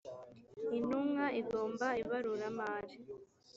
intumwa igomba ibaruramari